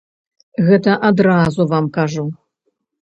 Гэта адразу вам кажу.